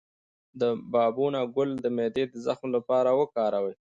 د بابونه ګل د معدې د زخم لپاره وکاروئ